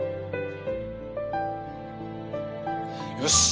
よし。